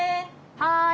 はい！